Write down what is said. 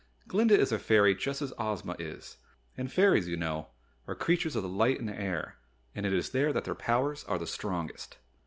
Glinda is a fairy just as Ozma is, and fairies, you know, are creatures of the light and air, and it is there that their powers are the strongest."